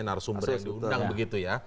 narasumber yang diundang begitu ya